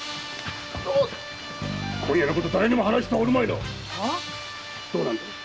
今夜のこと誰にも話しておるまいな⁉どうだ？